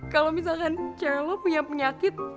kalau misalkan cher lo punya penyakit